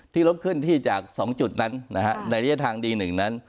ที่เราขึ้นที่จากสองจุดนั้นนะฮะในเรียดทางดีหนึ่งนั้น